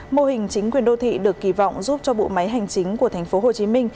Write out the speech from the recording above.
mô hình chính quyền đô thị được kỳ vọng giúp cho bộ máy hành chính của tp hcm